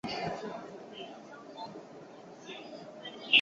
泥礼拥立遥辇氏迪辇组里为阻午可汗。